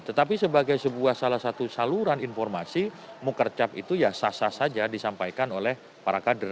tetapi sebagai sebuah salah satu saluran informasi mukercap itu ya sah sah saja disampaikan oleh para kader